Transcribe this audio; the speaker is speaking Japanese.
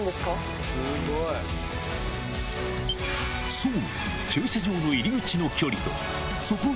そう！